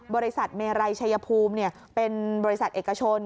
บริษัทเมรัยชัยภูมิเป็นบริษัทเอกชน